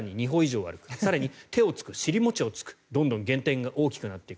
更に手をつく、尻餅をつくどんどん減点が大きくなっていく。